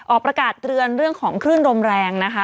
ออกประกาศเตือนเรื่องของคลื่นลมแรงนะคะ